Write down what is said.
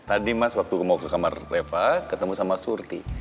tadi mas waktu mau ke kamar leva ketemu sama surti